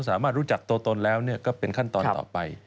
รู้จักตัวตนแล้วก็เป็นขั้นตอนต่อไป